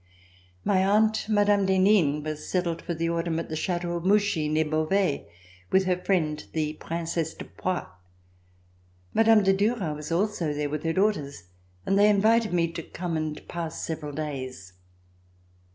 My aunt, Mme. d'Henin, was settled for the autumn at the Chateau of Mouchy, near Beauvais with her friend the Princesse de Poix. Mme. de Duras was also there with her daughters, and they invited me to come and pass several jays.